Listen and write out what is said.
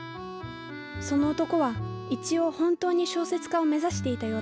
その男は一応本当に小説家を目指していたようだ。